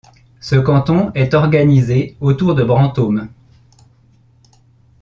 Ce canton est organisé autour de Brantôme.